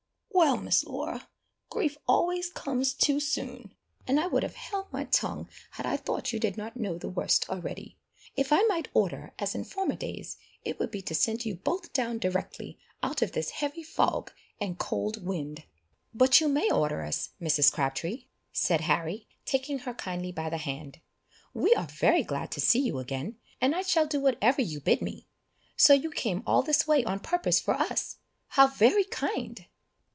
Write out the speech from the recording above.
"Well, Miss Laura! grief always comes too soon, and I would have held my tongue had I thought you did not know the worst already. If I might order as in former days, it would be to send you both down directly, out of this heavy fog and cold wind." "But you may order us, Mrs. Crabtree," said Harry, taking her kindly by the hand; "we are very glad to see you again! and I shall do whatever you bid me! So you came all this way on purpose for us! How very kind!"